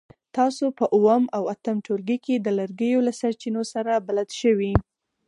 تاسو په اووم او اتم ټولګي کې د لرګیو له سرچینو سره بلد شوي.